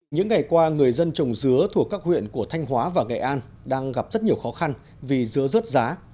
những ngày qua người dân trồng dứa thuộc các huyện của thanh hóa và nghệ an đang gặp rất nhiều khó khăn vì dứa rớt giá